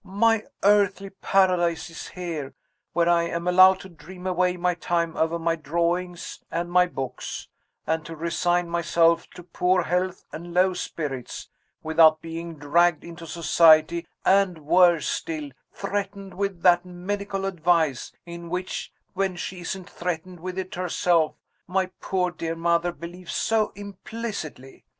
My 'earthly Paradise' is here, where I am allowed to dream away my time over my drawings and my books, and to resign myself to poor health and low spirits, without being dragged into society, and (worse still) threatened with that 'medical advice' in which, when she isn't threatened with it herself, my poor dear mother believes so implicitly.